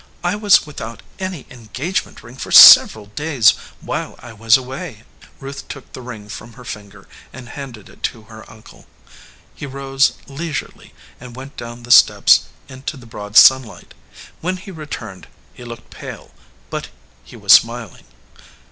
I was with out any engagement ring for several days while I was away." Ruth took the ring from her finger and handed 264 RING WITH THE GREEN STONE it to her uncle. He rose leisurely and went down the steps into the broad sunlight. When he re turned he looked pale, but he was smiling.